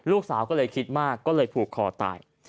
ลูกสาวก็เลยคิดมากก็เลยผูกคอตาย